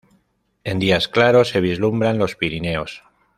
En días claros, se vislumbran los Pirineos.